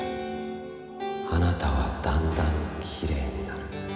「あなたはだんだんきれいになる」